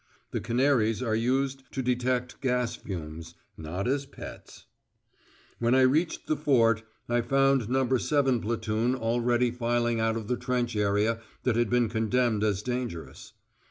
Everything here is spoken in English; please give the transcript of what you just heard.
(The canaries are used to detect gas fumes, not as pets.) When I reached the Fort, I found No. 7 Platoon already filing out of the trench area that had been condemned as dangerous.